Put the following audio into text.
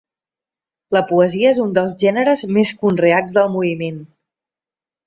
La poesia és un dels gèneres més conreats del moviment.